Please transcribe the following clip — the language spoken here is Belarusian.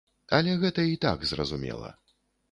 Але гэта і так зразумела.